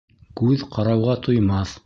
Күҙ ҡарауға туймаҫ.